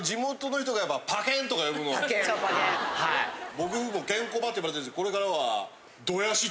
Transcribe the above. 僕もケンコバって呼ばれてるんですけど。